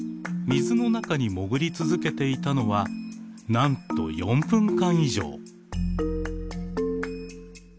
水の中に潜り続けていたのはなんと４分間以上。